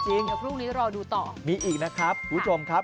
เดี๋ยวพรุ่งนี้รอดูต่อมีอีกนะครับคุณผู้ชมครับ